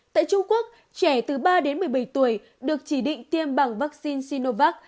tại trung quốc trẻ từ ba đến một mươi bảy tuổi được chỉ định tiêm bằng vaccine sinovac